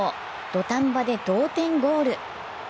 土壇場で同点ゴール。